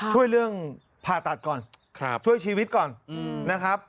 ช่วยเรื่องผ่าตัดก่อนช่วยชีวิตก่อนนะครับ